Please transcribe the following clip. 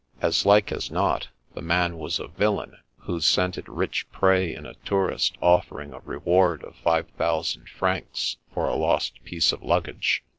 As like as not, the man was a vil lain who scented rich prey in a tourist offering a reward of five thousand francs for a lost piece of luggage.